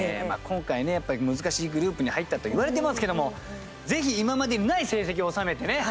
今回ね、難しいグループに入ったといわれてますけどもぜひ今までにない成績を収めてね